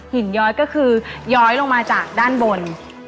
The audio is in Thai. ย้อยก็คือย้อยลงมาจากด้านบน